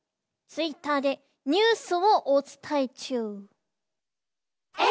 ツイッターでニュースをお伝え中。